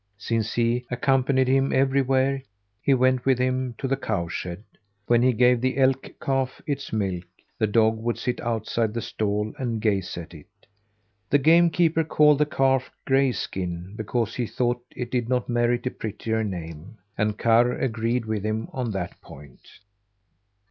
Since he accompanied him everywhere, he went with him to the cow shed. When he gave the elk calf its milk, the dog would sit outside the stall and gaze at it. The game keeper called the calf Grayskin because he thought it did not merit a prettier name, and Karr agreed with him on that point.